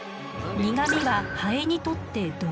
苦みはハエにとって毒。